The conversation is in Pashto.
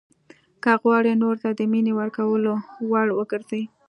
که غواړئ نورو ته د مینې ورکولو وړ وګرځئ.